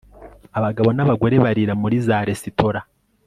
Abagabo nabagore barira muri za resitora